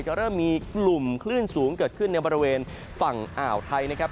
จะเริ่มมีกลุ่มคลื่นสูงเกิดขึ้นในบริเวณฝั่งอ่าวไทยนะครับ